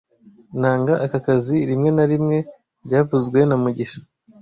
Nanga aka kazi rimwe na rimwe byavuzwe na mugisha